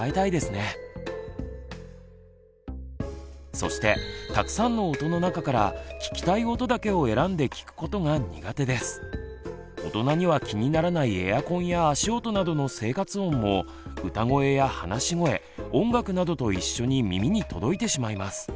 そしてたくさんの音の中から大人には気にならないエアコンや足音などの生活音も歌声や話し声音楽などと一緒に耳に届いてしまいます。